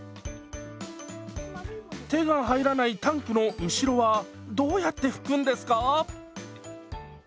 手が入らないタンクの後ろはどうやって拭くんですか？